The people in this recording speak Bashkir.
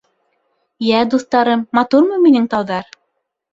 — Йә, дуҫтарым, матурмы минең тауҙар?